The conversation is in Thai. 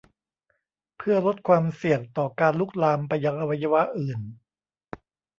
เพื่อลดความเสี่ยงต่อการลุกลามไปยังอวัยวะอื่น